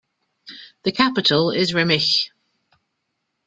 The capital is Remich.